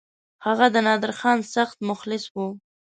هغه د نادرخان سخت مخلص وو.